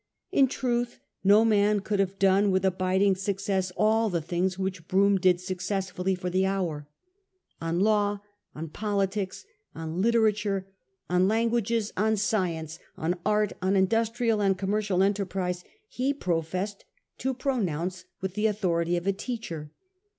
In truth no man could have done with abiding suc cess all the things which Brougham did successfully for the hour. On law, on politics, on literature, on languages, on science, on art, on industrial and com mercial enterprise, he professed to pronounce with the 1837. BROUGHAM'S CAREER STOPPED SHORT. 33 authority of a teacher.